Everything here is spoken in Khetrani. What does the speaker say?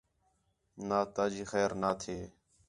نات تاں جی خیر نا تھے